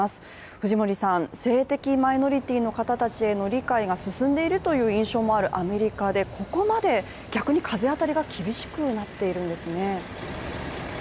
藤森さん、性的マイノリティの方たちへの理解が進んでいるという印象もあるアメリカで、ここまで逆に風当たりが厳しくなっているんですね。